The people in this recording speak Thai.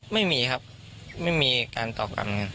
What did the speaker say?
ไม่มีครับไม่มีการตอบกลับเงิน